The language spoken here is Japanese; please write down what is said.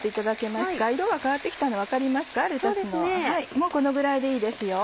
もうこのぐらいでいいですよ。